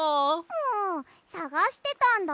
もうさがしてたんだよ。